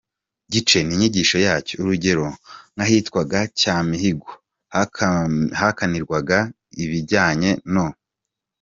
gice ninyigisho yacyo, urugero nkahitwaga Cyimihigo hakinirwaga ibijyanye no.